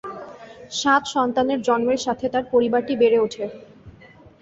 সাত সন্তানের জন্মের সাথে তার পরিবারটি বেড়ে ওঠে।